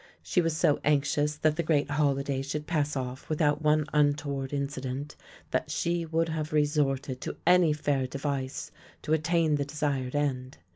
She was so anxious that the great holiday should pass ofif with out one untoward incident, that she would have resorted to any fair device to attain the desired end.